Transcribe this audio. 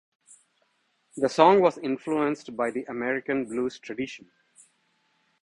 The song was influenced by the American blues tradition.